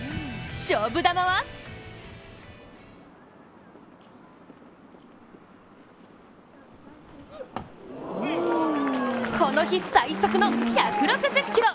勝負球はこの日最速の１６０キロ。